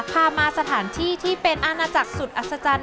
พามาสถานที่ที่เป็นอาณาจักรสุดอัศจรรย